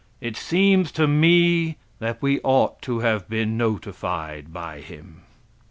It seems to me that we ought to have been notified by Him.